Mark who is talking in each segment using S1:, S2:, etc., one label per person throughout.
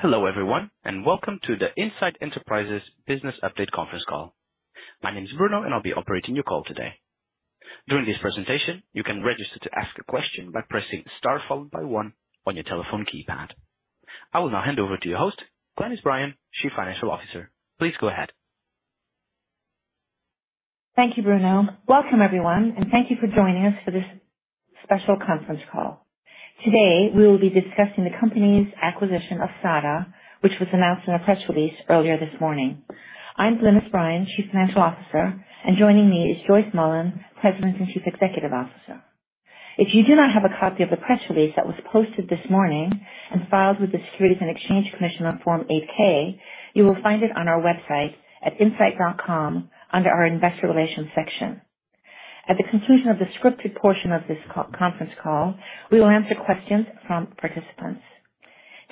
S1: Hello, everyone, and welcome to the Insight Enterprises Business Update Conference Call. My name is Bruno, and I'll be operating your call today. During this presentation, you can register to ask a question by pressing Star followed by one on your telephone keypad. I will now hand over to your host, Glynis Bryan, Chief Financial Officer. Please go ahead.
S2: Thank you, Bruno. Welcome, everyone, and thank you for joining us for this special conference call. Today, we will be discussing the company's acquisition of SADA, which was announced in a press release earlier this morning. I'm Glynis Bryan, Chief Financial Officer, and joining me is Joyce Mullen, President and Chief Executive Officer. If you do not have a copy of the press release that was posted this morning and filed with the Securities and Exchange Commission on Form 8-K, you will find it on our website at insight.com under our Investor Relations section. At the conclusion of the scripted portion of this conference call, we will answer questions from participants.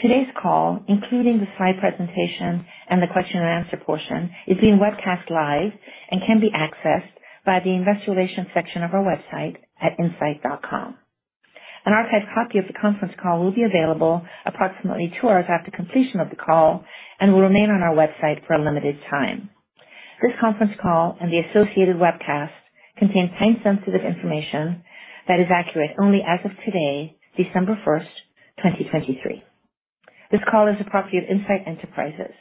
S2: Today's call, including the slide presentation and the question and answer portion, is being webcast live and can be accessed by the Investor Relations section of our website at insight.com. An archived copy of the conference call will be available approximately 2 hours after completion of the call and will remain on our website for a limited time. This conference call and the associated webcast contain time-sensitive information that is accurate only as of today, December 1, 2023. This call is the property of Insight Enterprises.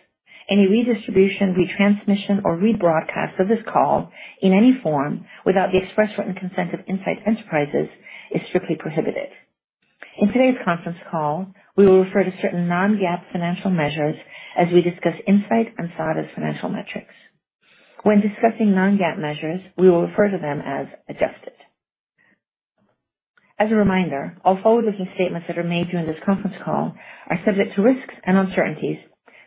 S2: Any redistribution, retransmission, or rebroadcast of this call in any form without the express written consent of Insight Enterprises is strictly prohibited. In today's conference call, we will refer to certain non-GAAP financial measures as we discuss Insight and SADA's financial metrics. When discussing non-GAAP measures, we will refer to them as adjusted. As a reminder, all forward-looking statements that are made during this conference call are subject to risks and uncertainties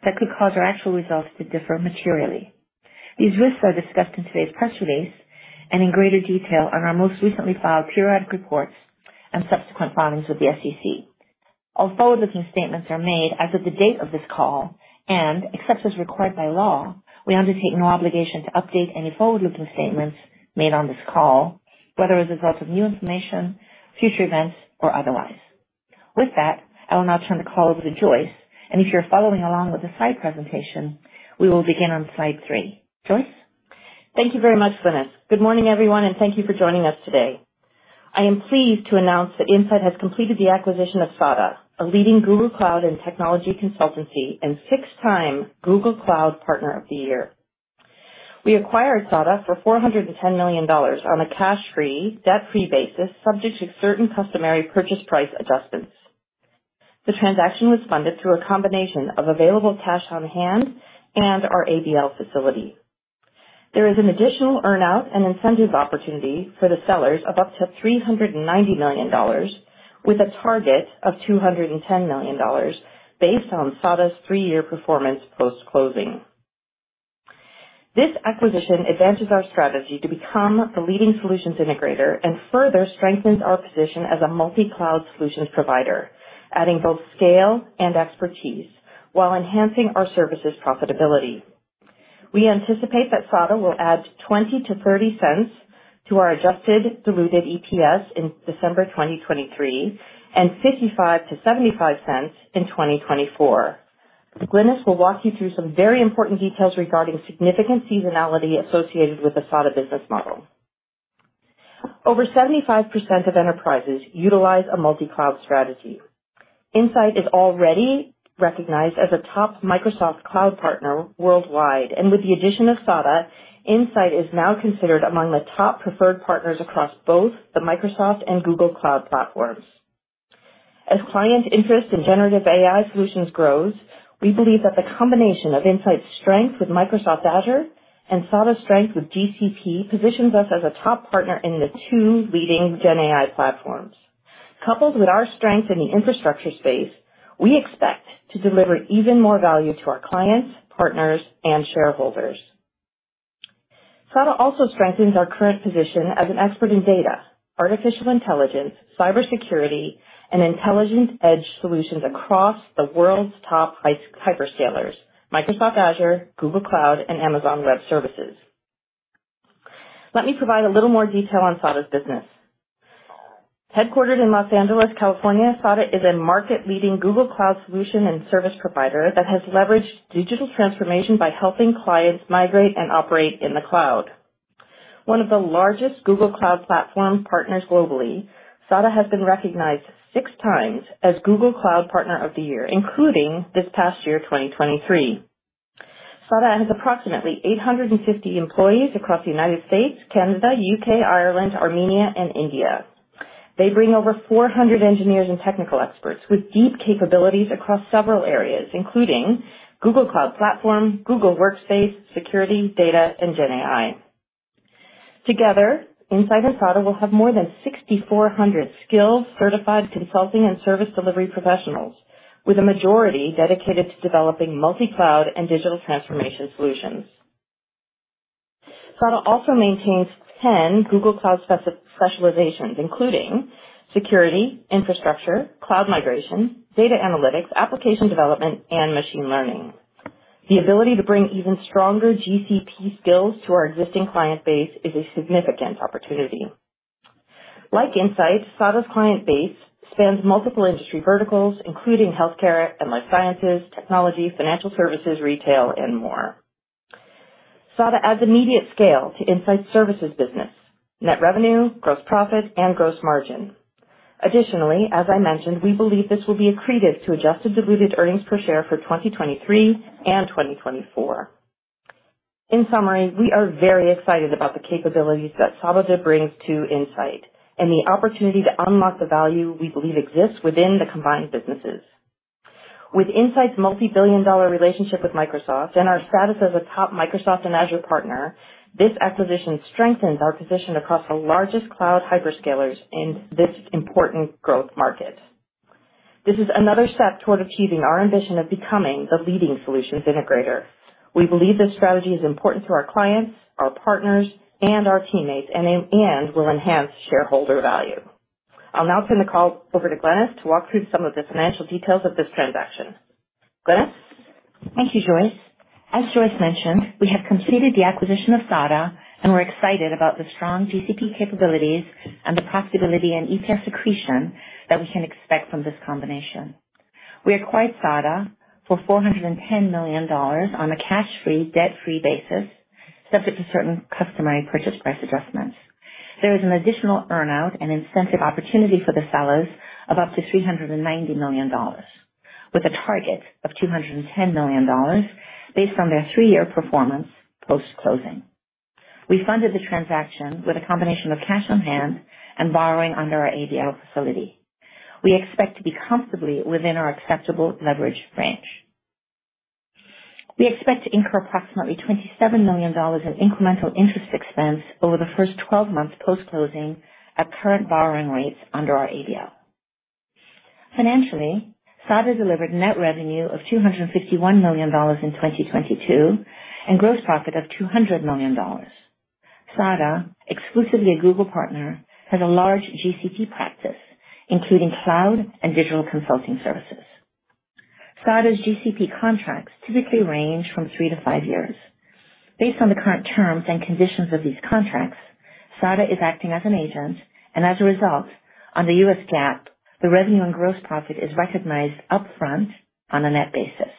S2: that could cause our actual results to differ materially. These risks are discussed in today's press release and in greater detail on our most recently filed periodic reports and subsequent filings with the SEC. All forward-looking statements are made as of the date of this call, and except as required by law, we undertake no obligation to update any forward-looking statements made on this call, whether as a result of new information, future events, or otherwise. With that, I will now turn the call over to Joyce, and if you're following along with the slide presentation, we will begin on slide 3. Joyce?
S3: Thank you very much, Glynis. Good morning, everyone, and thank you for joining us today. I am pleased to announce that Insight has completed the acquisition of SADA, a leading Google Cloud and technology consultancy and six-time Google Cloud Partner of the Year. We acquired SADA for $410 million on a cash-free, debt-free basis, subject to certain customary purchase price adjustments. The transaction was funded through a combination of available cash on hand and our ABL Facility. There is an additional earn-out and incentive opportunity for the sellers of up to $390 million, with a target of $210 million based on SADA's three-year performance post-closing. This acquisition advances our strategy to become the leading solutions integrator and further strengthens our position as a multi-cloud solutions provider, adding both scale and expertise while enhancing our services profitability. We anticipate that SADA will add $0.20-$0.30 to our adjusted diluted EPS in December 2023, and $0.55-$0.75 in 2024. Glynis will walk you through some very important details regarding significant seasonality associated with the SADA business model. Over 75% of enterprises utilize a multi-cloud strategy. Insight is already recognized as a top Microsoft Cloud partner worldwide, and with the addition of SADA, Insight is now considered among the top preferred partners across both the Microsoft and Google Cloud Platforms. As client interest in generative AI solutions grows, we believe that the combination of Insight's strength with Microsoft Azure and SADA's strength with GCP positions us as a top partner in the two leading GenAI platforms. Coupled with our strength in the infrastructure space, we expect to deliver even more value to our clients, partners, and shareholders. SADA also strengthens our current position as an expert in data, artificial intelligence, cybersecurity, and intelligent edge solutions across the world's top hyperscalers, Microsoft Azure, Google Cloud, and Amazon Web Services. Let me provide a little more detail on SADA's business. Headquartered in Los Angeles, California, SADA is a market-leading Google Cloud solution and service provider that has leveraged digital transformation by helping clients migrate and operate in the cloud. One of the largest Google Cloud Platform partners globally, SADA has been recognized six times as Google Cloud Partner of the Year, including this past year, 2023. SADA has approximately 850 employees across the United States, Canada, U.K., Ireland, Armenia, and India. They bring over 400 engineers and technical experts with deep capabilities across several areas, including Google Cloud Platform, Google Workspace, security, data, and GenAI. Together, Insight and SADA will have more than 6,400 skilled, certified consulting and service delivery professionals, with a majority dedicated to developing multi-cloud and digital transformation solutions. SADA also maintains 10 Google Cloud specializations, including security, infrastructure, cloud migration, data analytics, application development, and machine learning. The ability to bring even stronger GCP skills to our existing client base is a significant opportunity. Like Insight, SADA's client base spans multiple industry verticals, including healthcare and life sciences, technology, financial services, retail, and more. SADA adds immediate scale to Insight services business, net revenue, gross profit, and gross margin. Additionally, as I mentioned, we believe this will be accretive to adjusted diluted earnings per share for 2023 and 2024. In summary, we are very excited about the capabilities that SADA brings to Insight and the opportunity to unlock the value we believe exists within the combined businesses. With Insight's multibillion-dollar relationship with Microsoft and our status as a top Microsoft and Azure partner, this acquisition strengthens our position across the largest cloud hyperscalers in this important growth market. This is another step toward achieving our ambition of becoming the leading solutions integrator. We believe this strategy is important to our clients, our partners, and our teammates, and will enhance shareholder value. I'll now turn the call over to Glynis to walk through some of the financial details of this transaction. Glynis?
S2: Thank you, Joyce. As Joyce mentioned, we have completed the acquisition of SADA, and we're excited about the strong GCP capabilities and the profitability and EPS accretion that we can expect from this combination. We acquired SADA for $410 million on a cash-free, debt-free basis, subject to certain customary purchase price adjustments. There is an additional earn-out and incentive opportunity for the sellers of up to $390 million, with a target of $210 million based on their 3-year performance post-closing. We funded the transaction with a combination of cash on hand and borrowing under our ABL facility. We expect to be comfortably within our acceptable leverage range. We expect to incur approximately $27 million in incremental interest expense over the first 12 months post-closing at current borrowing rates under our ABL. Financially, SADA delivered net revenue of $251 million in 2022, and gross profit of $200 million. SADA, exclusively a Google partner, has a large GCP practice, including cloud and digital consulting services. SADA's GCP contracts typically range from 3-5 years. Based on the current terms and conditions of these contracts, SADA is acting as an agent, and as a result, under U.S. GAAP, the revenue and gross profit is recognized upfront on a net basis.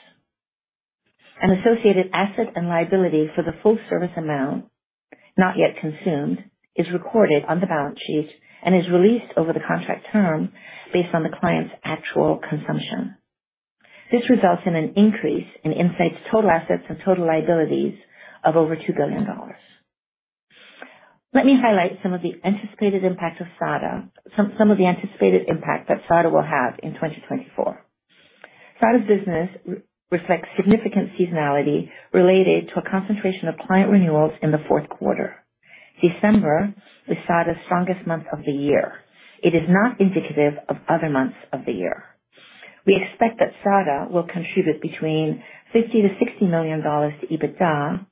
S2: An associated asset and liability for the full service amount not yet consumed is recorded on the balance sheet and is released over the contract term based on the client's actual consumption. This results in an increase in Insight's total assets and total liabilities of over $2 billion. Let me highlight some of the anticipated impact that SADA will have in 2024. SADA's business reflects significant seasonality related to a concentration of client renewals in the fourth quarter. December is SADA's strongest month of the year. It is not indicative of other months of the year. We expect that SADA will contribute between $50-$60 million to EBITDA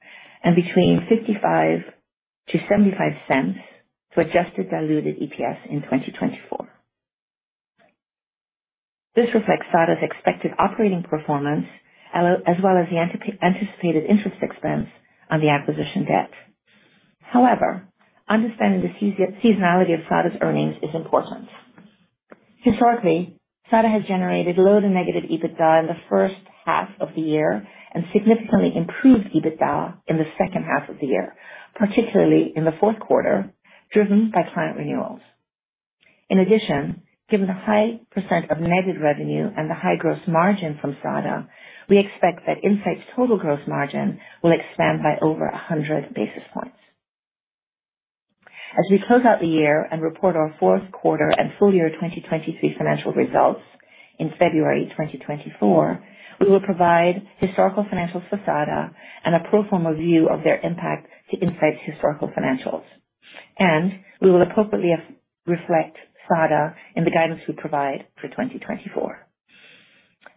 S2: and between $0.55-$0.75 to Adjusted Diluted EPS in 2024. This reflects SADA's expected operating performance, as well as the anticipated interest expense on the acquisition debt. However, understanding the seasonality of SADA's earnings is important. Historically, SADA has generated low to negative EBITDA in the first half of the year and significantly improved EBITDA in the second half of the year, particularly in the fourth quarter, driven by client renewals. In addition, given the high percent of negative revenue and the high gross margin from SADA, we expect that Insight's total gross margin will expand by over 100 basis points. As we close out the year and report our fourth quarter and full year 2023 financial results in February 2024, we will provide historical financials for SADA and a pro forma view of their impact to Insight's historical financials. We will appropriately reflect SADA in the guidance we provide for 2024.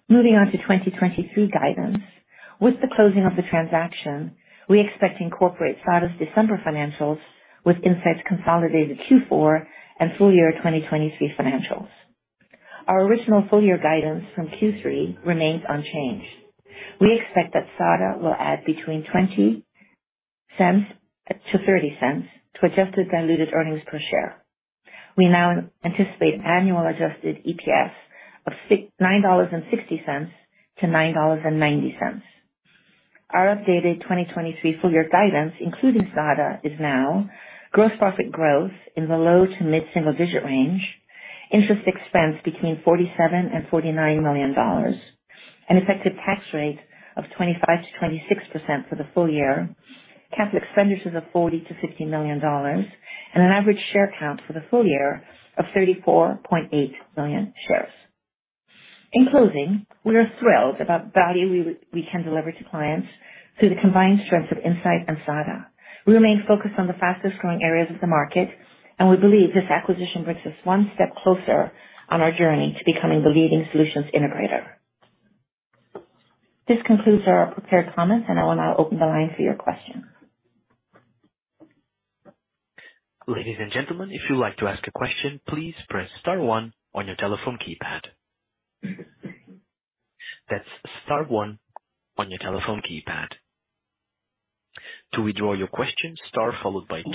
S2: Moving on to 2023 guidance. With the closing of the transaction, we expect to incorporate SADA's December financials with Insight's consolidated Q4 and full year 2023 financials. Our original full-year guidance from Q3 remains unchanged. We expect that SADA will add between $0.20 to $0.30 to adjusted diluted earnings per share. We now anticipate annual adjusted EPS of $6.96-$9.90. Our updated 2023 full year guidance, including SADA, is now gross profit growth in the low to mid-single digit range, interest expense between $47-$49 million, an effective tax rate of 25%-26% for the full year, CapEx expenditures of $40-$50 million, and an average share count for the full year of 34.8 million shares. In closing, we are thrilled about the value we can deliver to clients through the combined strengths of Insight and SADA. We remain focused on the fastest-growing areas of the market, and we believe this acquisition brings us one step closer on our journey to becoming the leading solutions integrator. This concludes our prepared comments, and I will now open the line for your questions.
S1: Ladies and gentlemen, if you'd like to ask a question, please press star one on your telephone keypad. That's star one on your telephone keypad. ... To withdraw your question, star followed by 2.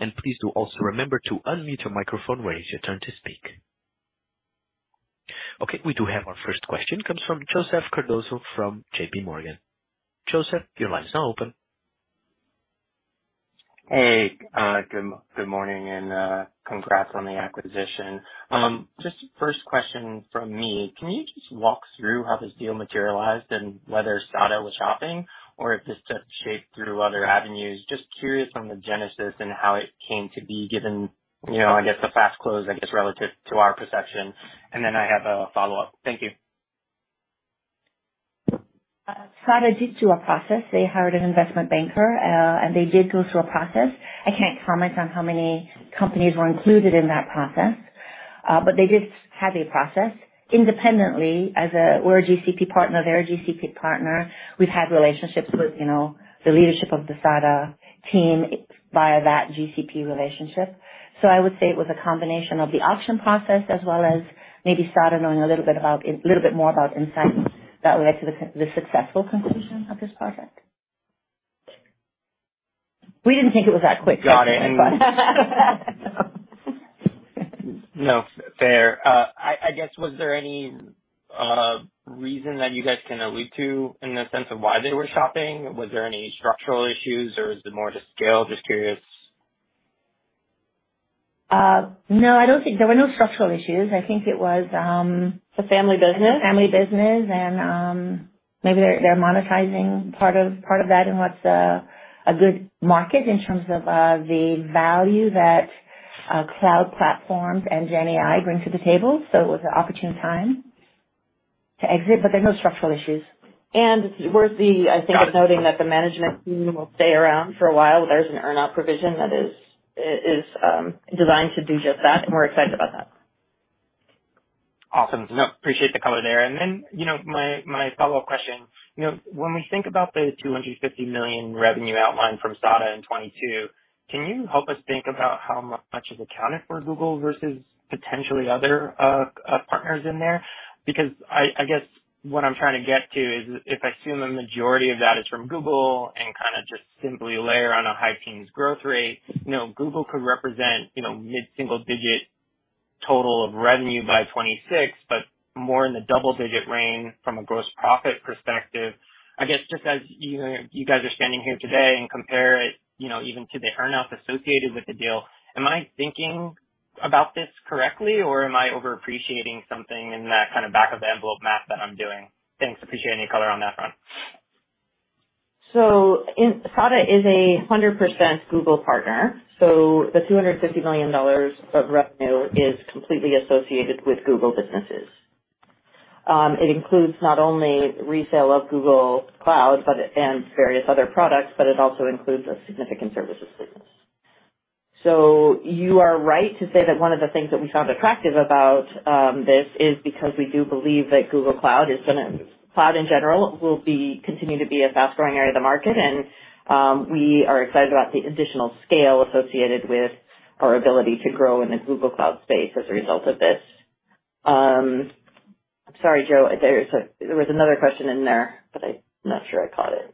S1: And please do also remember to unmute your microphone when it's your turn to speak. Okay, we do have our first question. Comes from Joseph Cardoso from JPMorgan. Joseph, your line is now open.
S4: Hey, good, good morning, and, congrats on the acquisition. Just first question from me, can you just walk through how this deal materialized and whether SADA was shopping or if this just shaped through other avenues? Just curious on the genesis and how it came to be, given, you know, I guess, the fast close, I guess, relative to our perception. And then I have a follow-up. Thank you.
S2: SADA did do a process. They hired an investment banker, and they did go through a process. I can't comment on how many companies were included in that process, but they did have a process independently as a—we're a GCP partner. They're a GCP partner. We've had relationships with, you know, the leadership of the SADA team via that GCP relationship. So I would say it was a combination of the auction process as well as maybe SADA knowing a little bit about... a little bit more about Insight that led to the, the successful conclusion of this project. We didn't think it was that quick.
S4: Got it. No, fair. I guess, was there any reason that you guys can allude to in the sense of why they were shopping? Was there any structural issues, or is it more just scale? Just curious.
S2: No, I don't think... There were no structural issues. I think it was,
S3: It's a family business.
S2: A family business, and maybe they're monetizing part of that in what's a good market in terms of the value that cloud platforms and GenAI bring to the table. So it was an opportune time to exit, but there are no structural issues.
S3: It's worth noting that the management team will stay around for a while. There's an earn-out provision that is designed to do just that, and we're excited about that.
S4: Awesome. No, appreciate the color there. And then, you know, my, my follow-up question: You know, when we think about the $250 million revenue outline from SADA in 2022, can you help us think about how much is accounted for Google versus potentially other partners in there? Because I, I guess what I'm trying to get to is if I assume the majority of that is from Google and kind of just simply layer on a high teens growth rate, you know, Google could represent, you know, mid-single digit total of revenue by 2026, but more in the double digit range from a gross profit perspective. I guess, just as you, you guys are standing here today and compare it, you know, even to the earn-out associated with the deal, am I thinking about this correctly or am I overappreciating something in that kind of back of the envelope math that I'm doing? Thanks. Appreciate any color on that front.
S3: SADA is a 100% Google partner, so the $250 million of revenue is completely associated with Google businesses. It includes not only resale of Google Cloud, but, and various other products, but it also includes a significant services business. So you are right to say that one of the things that we found attractive about this is because we do believe that Google Cloud is gonna Cloud in general, will be, continue to be a fast-growing area of the market. And we are excited about the additional scale associated with our ability to grow in the Google Cloud space as a result of this. Sorry, Joe, there was a, there was another question in there, but I'm not sure I caught it.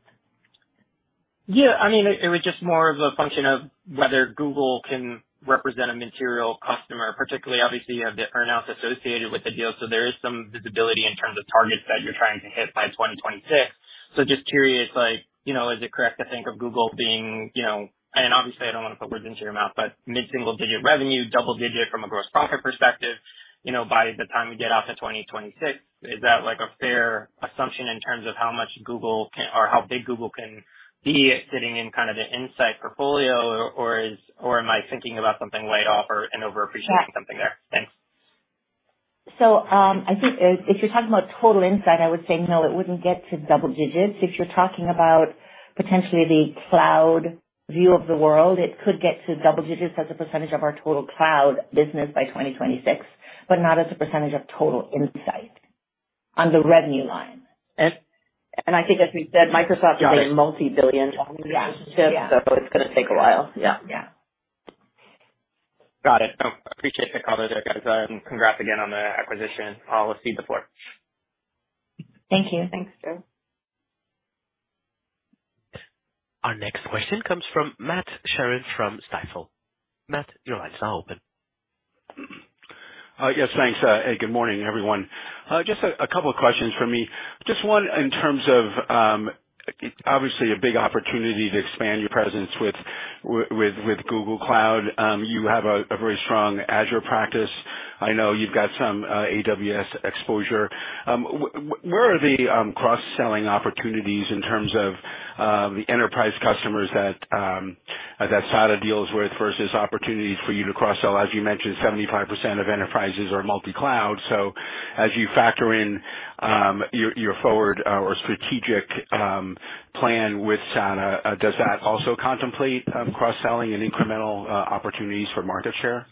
S4: Yeah. I mean, it was just more of a function of whether Google can represent a material customer, particularly obviously, you have the earn-out associated with the deal, so there is some visibility in terms of targets that you're trying to hit by 2026. So just curious, like, you know, is it correct to think of Google being, you know, and obviously, I don't want to put words into your mouth, but mid-single digit revenue, double digit from a gross profit perspective, you know, by the time we get out to 2026. Is that, like, a fair assumption in terms of how much Google can or how big Google can be sitting in kind of the Insight portfolio, or is or am I thinking about something way off or, and overappreciating something there?
S2: Yeah.
S4: Thanks.
S2: So, I think if you're talking about total Insight, I would say no, it wouldn't get to double digits. If you're talking about potentially the cloud view of the world, it could get to double digits as a percentage of our total cloud business by 2026, but not as a percentage of total Insight on the revenue line.
S3: I think, as we've said, Microsoft is a multi-billion-dollar relationship.
S2: Yeah.
S3: It's going to take a while. Yeah.
S2: Yeah.
S4: Got it. Appreciate the color there, guys. Congrats again on the acquisition. I'll cede the floor.
S2: Thank you.
S3: Thanks, Joe.
S1: Our next question comes from Matt Sheerin from Stifel. Matt, your line is now open.
S5: Yes, thanks. Good morning, everyone. Just a couple of questions from me. Just one in terms of obviously a big opportunity to expand your presence with Google Cloud. You have a very strong Azure practice. I know you've got some AWS exposure. Where are the cross-selling opportunities in terms of the enterprise customers that SADA deals with versus opportunities for you to cross-sell? As you mentioned, 75% of enterprises are multi-cloud, so as you factor in your forward or strategic plan with SADA, does that also contemplate cross-selling and incremental opportunities for market share?...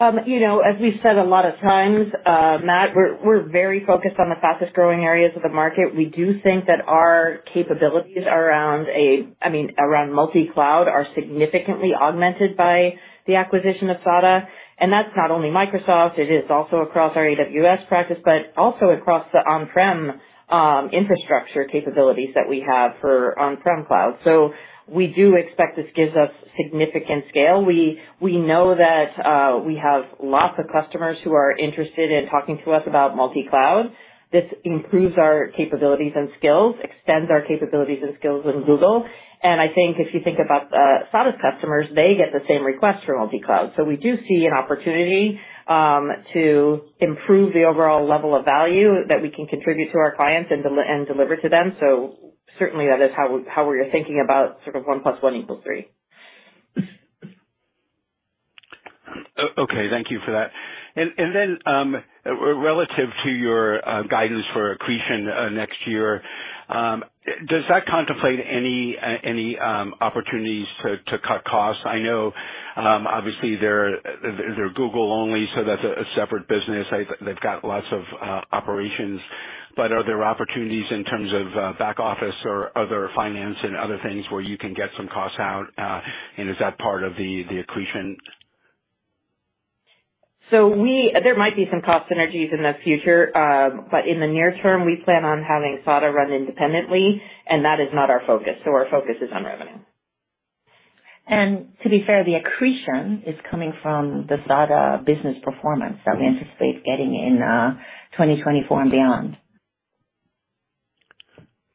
S3: You know, as we've said a lot of times, Matt, we're very focused on the fastest growing areas of the market. We do think that our capabilities around I mean, around multi-cloud are significantly augmented by the acquisition of SADA. And that's not only Microsoft, it is also across our AWS practice, but also across the on-prem infrastructure capabilities that we have for on-prem cloud. So we do expect this gives us significant scale. We know that we have lots of customers who are interested in talking to us about multi-cloud. This improves our capabilities and skills, extends our capabilities and skills in Google. And I think if you think about SADA's customers, they get the same request for multi-cloud. So we do see an opportunity to improve the overall level of value that we can contribute to our clients and deliver to them. So certainly that is how we, how we're thinking about sort of one plus one equals three.
S5: Okay, thank you for that. And then, relative to your guidance for accretion next year, does that contemplate any opportunities to cut costs? I know, obviously they're Google only, so that's a separate business. They've got lots of operations, but are there opportunities in terms of back office or other finance and other things where you can get some costs out? And is that part of the accretion?
S3: There might be some cost synergies in the future, but in the near term, we plan on having SADA run independently, and that is not our focus. So our focus is on revenue.
S2: To be fair, the accretion is coming from the SADA business performance that we anticipate getting in 2024 and beyond.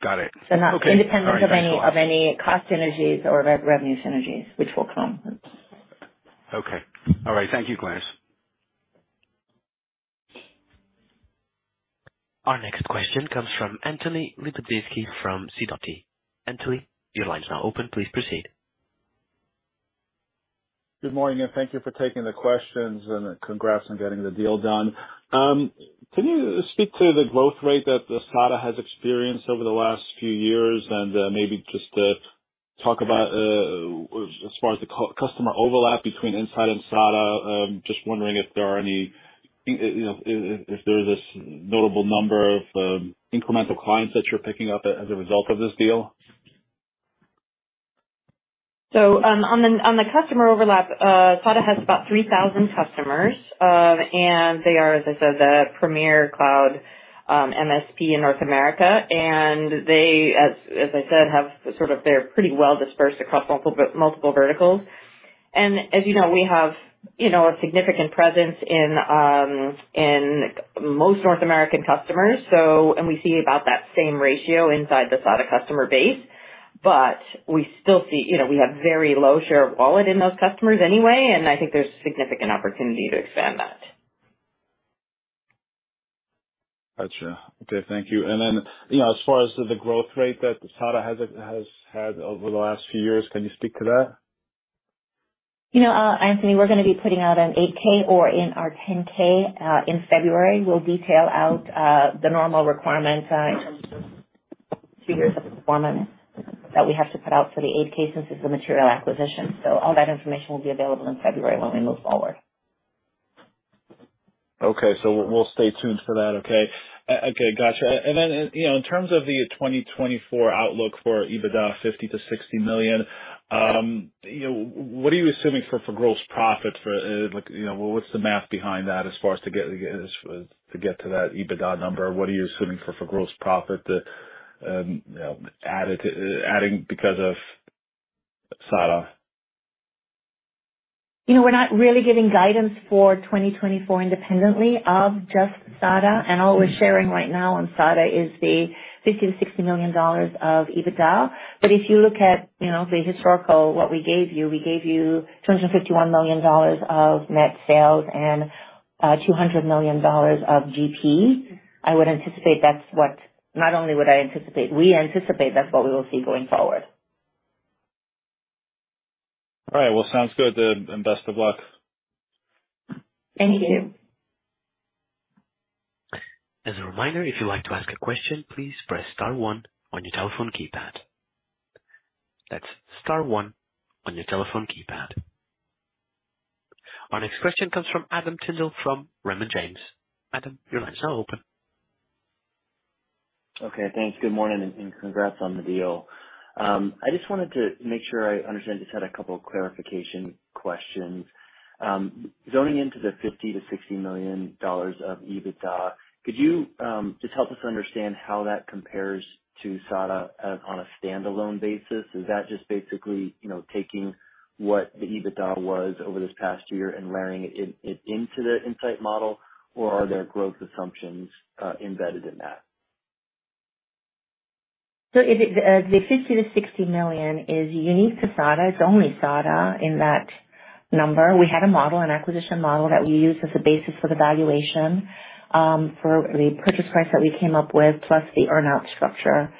S5: Got it.
S2: So not-
S5: Okay.
S2: Independent of any cost synergies or revenue synergies, which will come.
S5: Okay. All right. Thank you, Glynis.
S1: Our next question comes from Anthony Lebiedzinski from Sidoti. Anthony, your line is now open. Please proceed.
S6: Good morning, and thank you for taking the questions, and, congrats on getting the deal done. Can you speak to the growth rate that SADA has experienced over the last few years? And, maybe just, talk about, as far as the customer overlap between Insight and SADA. Just wondering if there are any, you know, if there is a notable number of, incremental clients that you're picking up as a result of this deal.
S3: So, on the customer overlap, SADA has about 3,000 customers. And they are, as I said, the premier cloud MSP in North America, and they, as I said, have sort of, they're pretty well dispersed across multiple verticals. And as you know, we have, you know, a significant presence in most North American customers. So... And we see about that same ratio inside the SADA customer base. But we still see, you know, we have very low share of wallet in those customers anyway, and I think there's significant opportunity to expand that.
S6: Gotcha. Okay, thank you. And then, you know, as far as the growth rate that SADA has, has had over the last few years, can you speak to that?
S2: You know, Anthony, we're going to be putting out a 8-K or in our 10-K in February. We'll detail out the normal requirements in terms of figures of performance that we have to put out for the 8-K since it's a material acquisition. So all that information will be available in February when we move forward.
S6: Okay. So we'll stay tuned for that. Okay. Okay, gotcha. And then, you know, in terms of the 2024 outlook for EBITDA, $50 million-$60 million, you know, what are you assuming for gross profits for like, you know, what's the math behind that as far as to get to that EBITDA number? What are you assuming for gross profit, you know, adding because of SADA?
S2: You know, we're not really giving guidance for 2024 independently of just SADA. And all we're sharing right now on SADA is the $50-$60 million of EBITDA. But if you look at, you know, the historical, what we gave you, we gave you $251 million of net sales and $200 million of GP. I would anticipate that's what... Not only would I anticipate, we anticipate that's what we will see going forward.
S6: All right. Well, sounds good, and, and best of luck.
S2: Thank you.
S1: As a reminder, if you'd like to ask a question, please press star one on your telephone keypad. That's star one on your telephone keypad. Our next question comes from Adam Tindle, from Raymond James. Adam, your line is now open.
S7: Okay, thanks. Good morning, and congrats on the deal. I just wanted to make sure I understand, just had a couple of clarification questions. Zeroing in on the $50 million-$60 million of EBITDA, could you just help us understand how that compares to SADA on a standalone basis? Is that just basically, you know, taking what the EBITDA was over this past year and layering it into the Insight model, or are there growth assumptions embedded in that?
S2: So it is, the $50 million-$60 million is unique to SADA. It's only SADA in that number. We had a model, an acquisition model, that we used as a basis for the valuation, for the purchase price that we came up with, plus the earn-out structure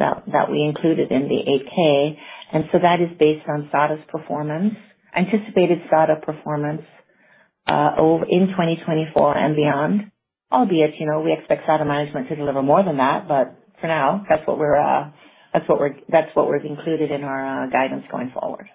S2: that, that we included in the 8-K. And so that is based on SADA's performance, anticipated SADA performance, in 2024 and beyond. Albeit, you know, we expect SADA management to deliver more than that. But for now, that's what we're, that's what we're, that's what we've included in our, guidance going forward.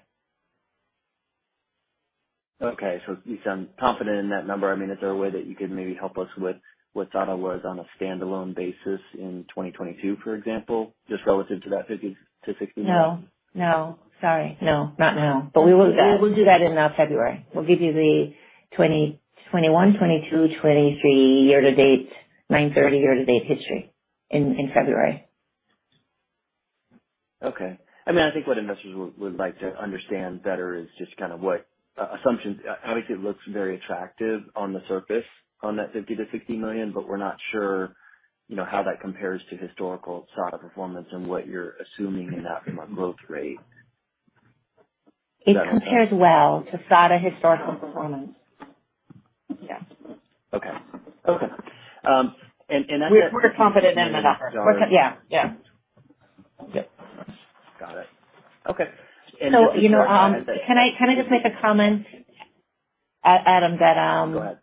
S8: Okay. So you sound confident in that number. I mean, is there a way that you could maybe help us with, what SADA was on a standalone basis in 2022, for example, just relative to that $50 million-$60 million?
S2: No. No. Sorry. No, not now. But we will, we will do that in February. We'll give you the 2021, 2022, 2023, year to date, 9/30 year to date history in, in February.
S8: Okay. I mean, I think what investors would like to understand better is just kind of what assumptions. Obviously, it looks very attractive on the surface on that $50 million-$60 million, but we're not sure, you know, how that compares to historical SADA performance and what you're assuming in that growth rate.
S2: It compares well to SADA historical performance. Yes.
S8: Okay. Okay. and I-
S3: We're confident in that number. Yeah. Yeah.
S8: Okay. Got it.
S3: Okay.
S2: You know, can I just make a comment, Adam, that,
S8: Go ahead.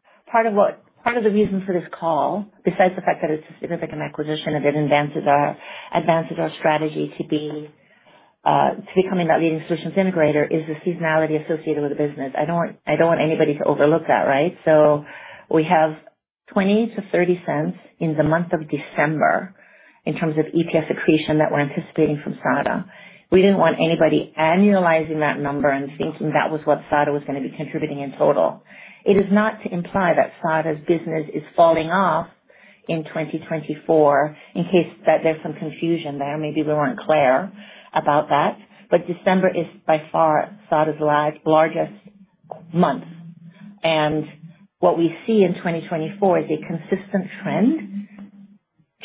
S2: Part of the reason for this call, besides the fact that it's a significant acquisition and it advances our strategy to becoming that leading solutions integrator, is the seasonality associated with the business. I don't want anybody to overlook that, right? So we have $0.20-$0.30 in the month of December in terms of EPS accretion that we're anticipating from SADA. We didn't want anybody annualizing that number and thinking that was what SADA was going to be contributing in total. It is not to imply that SADA's business is falling off in 2024, in case that there's some confusion there. Maybe we weren't clear about that, but December is by far SADA's largest month. And what we see in 2024 is a consistent trend.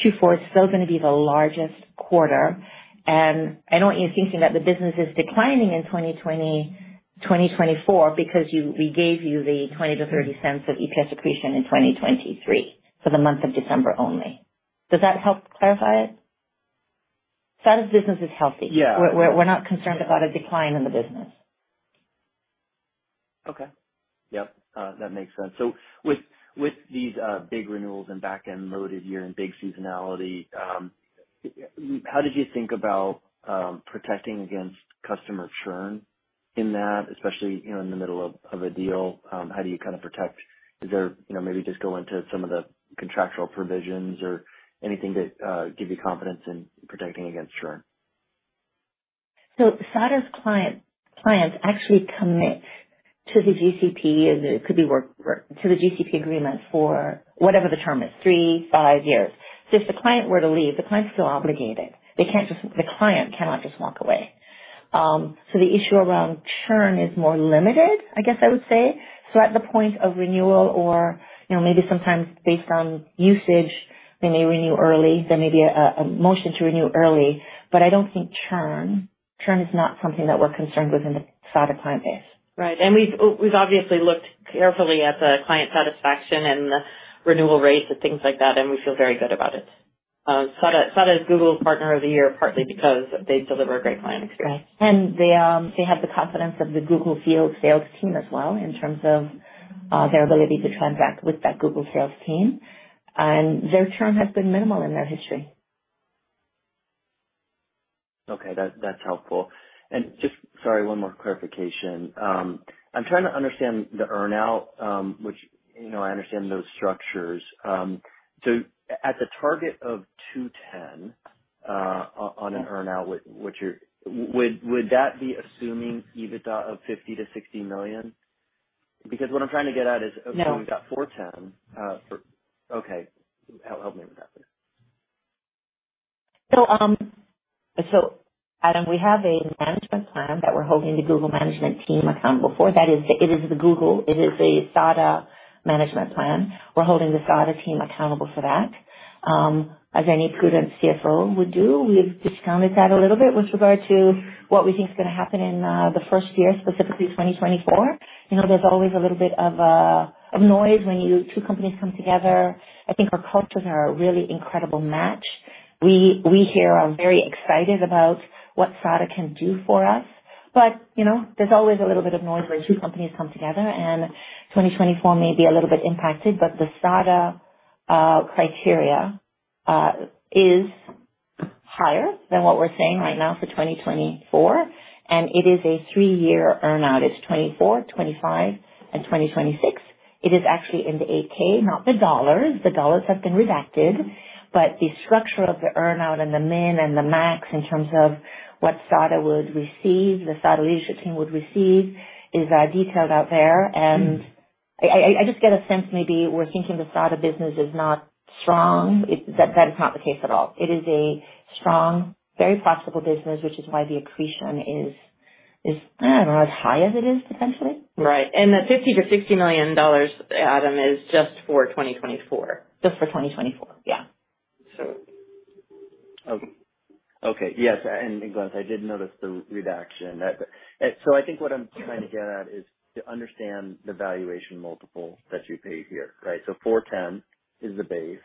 S2: Q4 is still going to be the largest quarter, and I don't want you thinking that the business is declining in 2020, 2024 because you-- we gave you the $0.20-$0.30 of EPS accretion in 2023 for the month of December only. Does that help clarify it? SADA's business is healthy.
S8: Yeah.
S2: We're not concerned about a decline in the business.
S8: Okay. Yep. That makes sense. So with these big renewals and back-end loaded year and big seasonality, how did you think about protecting against customer churn in that, especially, you know, in the middle of a deal, how do you kind of protect? Is there, you know, maybe just go into some of the contractual provisions or anything that give you confidence in protecting against churn?
S2: So SADA's client, clients actually commit to the GCP, and it could be work- to the GCP agreement for whatever the term is, 3, 5 years. So if the client were to leave, the client's still obligated. They can't just... The client cannot just walk away. So the issue around churn is more limited, I guess I would say. So at the point of renewal or, you know, maybe sometimes based on usage, they may renew early. There may be a motion to renew early, but I don't think churn. Churn is not something that we're concerned with in the SADA client base.
S3: Right. And we've obviously looked carefully at the client satisfaction and the renewal rates and things like that, and we feel very good about it. SADA is Google's Partner of the Year, partly because they deliver a great client experience.
S2: They have the confidence of the Google sales team as well, in terms of their ability to transact with that Google sales team, and their churn has been minimal in their history.
S8: Okay, that, that's helpful. And just... Sorry, one more clarification. I'm trying to understand the earn-out, which, you know, I understand those structures. So at the target of 210, on an earn-out, what you're... Would that be assuming EBITDA of $50-$60 million? Because what I'm trying to get at is-
S2: No.
S8: Okay, we've got 4:10. Okay. Help, help me with that, please.
S2: So, so Adam, we have a management plan that we're holding the Google management team accountable for. That is, it is the Google, it is a SADA management plan. We're holding the SADA team accountable for that. As any prudent CFO would do, we've discounted that a little bit with regard to what we think is going to happen in the first year, specifically 2024. You know, there's always a little bit of noise when you two companies come together. I think our cultures are a really incredible match. We here are very excited about what SADA can do for us, but, you know, there's always a little bit of noise when two companies come together, and 2024 may be a little bit impacted, but the SADA criteria is higher than what we're saying right now for 2024, and it is a three-year earn-out. It's 2024, 2025, and 2026. It is actually in the 8-K, not the dollars. The dollars have been redacted, but the structure of the earn-out and the min and the max in terms of what SADA would receive, the SADA leadership team would receive, is detailed out there. And I just get a sense maybe we're thinking the SADA business is not strong. That, that is not the case at all. It is a strong, very profitable business, which is why the accretion is, I don't know, as high as it is, potentially.
S3: Right. The $50 million-$60 million, Adam, is just for 2024.
S2: Just for 2024. Yeah.
S8: Okay. Yes, and Glynis, I did notice the redaction. So I think what I'm trying to get at is to understand the valuation multiple that you paid here, right? So 4.10 is the base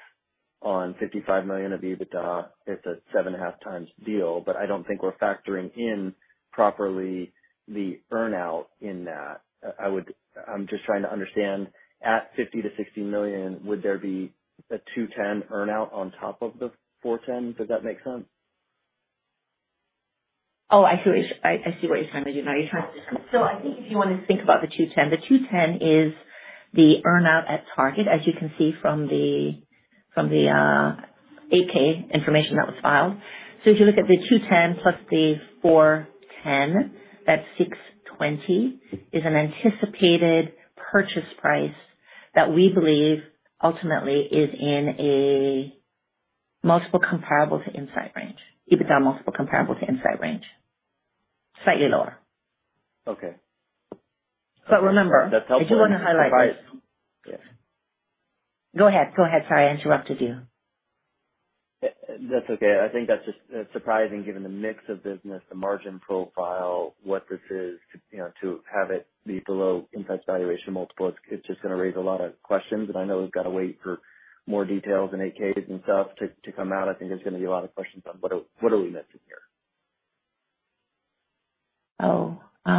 S8: on $55 million of EBITDA, it's a 7.5x deal, but I don't think we're factoring in properly the earn-out in that. I would—I'm just trying to understand, at $50 million-$60 million, would there be a 2.10 earn-out on top of the 4.10? Does that make sense?
S2: Oh, I see what you're trying to do now. You're trying to. So I think if you want to think about the $210, the $210 is the earn-out at target, as you can see from the 8-K information that was filed. So if you look at the $210 plus the $410, that's $620, is an anticipated purchase price that we believe ultimately is in a multiple comparable to Insight range, EBITDA multiple comparable to Insight range. Slightly lower.
S8: Okay.
S2: But remember-
S8: That's helpful.
S2: I do want to highlight this.
S8: Yes.
S2: Go ahead. Go ahead. Sorry, I interrupted you.
S8: That's okay. I think that's just surprising given the mix of business, the margin profile, what this is, you know, to have it be below Insight valuation multiple. It's just going to raise a lot of questions, and I know we've got to wait for more details and 8-K and stuff to come out. I think there's going to be a lot of questions on what are, what are we missing here?
S2: Oh, so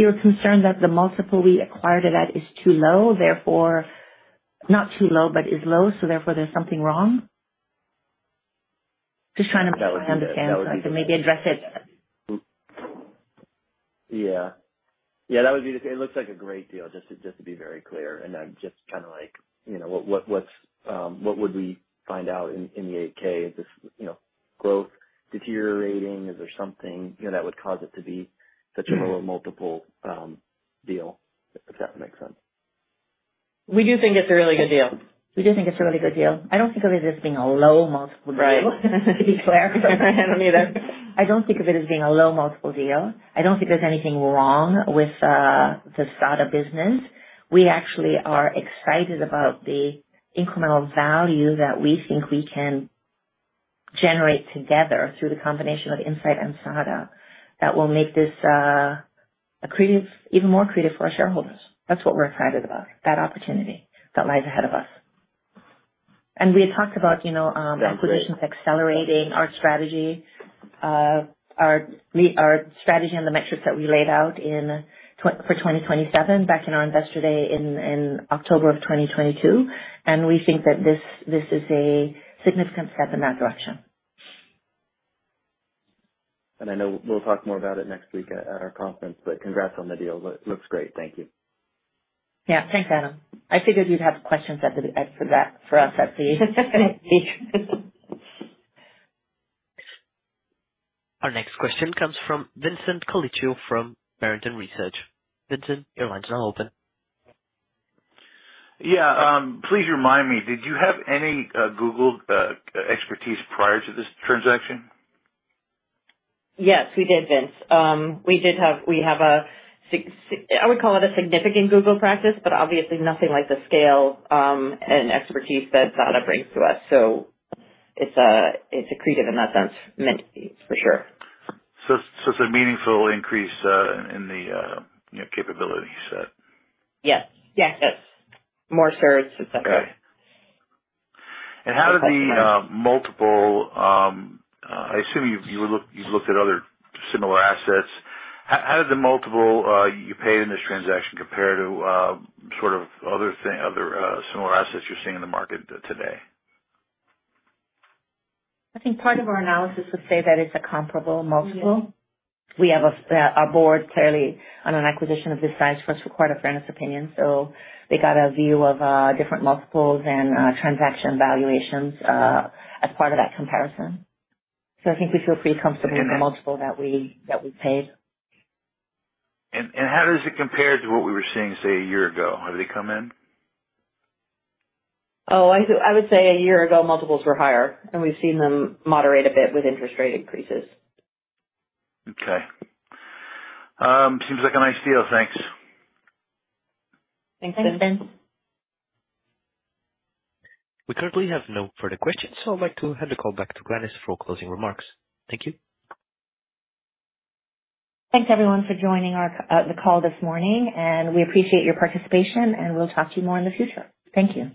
S2: you're concerned that the multiple we acquired it at is too low, therefore... Not too low, but is low, so therefore there's something wrong? Just trying to make sure I understand, so I can maybe address it.
S8: Yeah. Yeah, that would be... It looks like a great deal, just to be very clear, and I'm just kind of like, you know, what would we find out in the 8-K? Is this, you know, growth deteriorating? Is there something, you know, that would cause it to be such a low multiple deal? If that makes sense.
S3: We do think it's a really good deal.
S2: We do think it's a really good deal. I don't think of it as being a low multiple deal.
S3: Right.
S2: To be clear.
S3: I don't either.
S2: I don't think of it as being a low multiple deal. I don't think there's anything wrong with the SADA business. We actually are excited about the incremental value that we think we can generate together through the combination of Insight and SADA, that will make this accretive, even more accretive for our shareholders. That's what we're excited about, that opportunity that lies ahead of us. And we had talked about, you know,
S8: Yeah, great.
S2: acquisitions accelerating our strategy, our strategy and the metrics that we laid out in 2027, back in our Investor Day in October of 2022. And we think that this is a significant step in that direction.
S8: I know we'll talk more about it next week at our conference, but congrats on the deal. Looks great. Thank you.
S2: Yeah, thanks, Adam. I figured you'd have questions for that, for us at the-
S1: Our next question comes from Vincent Colicchio from Barrington Research. Vincent, your line is now open.
S9: Yeah, please remind me, did you have any Google expertise prior to this transaction?
S3: Yes, we did, Vince. We have a significant Google practice, but obviously nothing like the scale and expertise that SADA brings to us. So it's accretive in that sense, for sure.
S9: So, it's a meaningful increase in the, you know, capability set?
S3: Yes.
S2: Yes.
S3: Yes. More service, et cetera.
S9: Okay. And how did the multiple, I assume you've looked at other similar assets, how did the multiple you paid in this transaction compare to sort of other similar assets you're seeing in the market today?
S2: I think part of our analysis would say that it's a comparable multiple.
S3: Yes.
S2: We have a, our board clearly on an acquisition of this size for us, require a fairness opinion. So they got a view of, different multiples and, transaction valuations, as part of that comparison. So I think we feel pretty comfortable-
S9: Okay.
S2: with the multiple that we paid.
S9: And how does it compare to what we were seeing, say, a year ago? Have they come in?
S3: Oh, I think, I would say a year ago, multiples were higher, and we've seen them moderate a bit with interest rate increases.
S9: Okay. Seems like a nice deal. Thanks.
S3: Thanks, Vince.
S2: Thanks, Vince.
S1: We currently have no further questions, so I'd like to hand the call back to Glynis for closing remarks. Thank you.
S2: Thanks, everyone, for joining our the call this morning, and we appreciate your participation, and we'll talk to you more in the future. Thank you.